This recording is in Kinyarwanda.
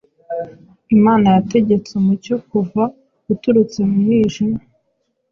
Imana yategetse umucyo kuva, uturutse mu mwijima,